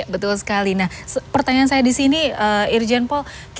betul sekali pertanyaan saya di sini irjen pol